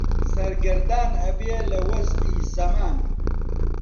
سەرگەردان ئەبێ لە وەزعی زەمان